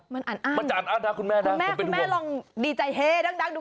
มันอัดอั้นมันจะอัดอั้นนะคุณแม่นะคุณแม่คุณแม่ลองดีใจเฮ่ดังดูค่ะ